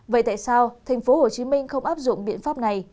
vậy tại sao tp hcm không áp dụng biện pháp này